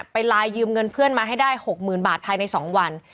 ไปไลน์ยืมเงินเพื่อนมาให้ได้๖๐๐๐บาทภายใน๒วัน